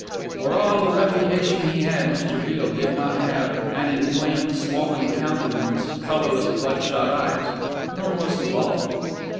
For all the reputation he had, Mr. Beale did not have "an inflamed, swollen countenance, colourless bloodshot eyes," nor was he bald.